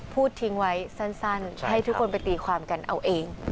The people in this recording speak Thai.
พูดทิ้งไว้สั้นให้ทุกคนไปตีความกันเอาเอง